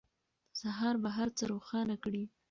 سهار به هر څه روښانه کړي.